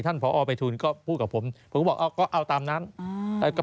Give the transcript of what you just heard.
ท่านผอไปทูลก็พูดกับผมคุณบอกเอาตามน้ำ